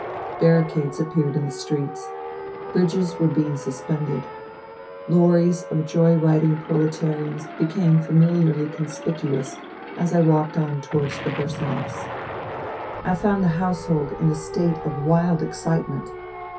Barricades appeared in the streets. Bridges were being suspended. Lorries of joy riding proletarians became familiarly conspicuous, as I walked on towards the Bursanovs. I found the household in a state of wild excite ment.